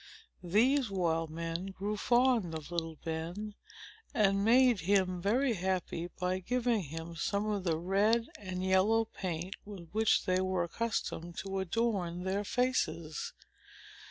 These wild men grew fond of little Ben, and made him very happy by giving him some of the red and yellow paint with which they were accustomed to adorn their faces.